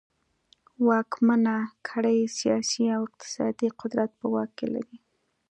واکمنه کړۍ سیاسي او اقتصادي قدرت په واک کې لري.